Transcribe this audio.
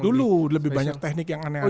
dulu lebih banyak teknik yang aneh aneh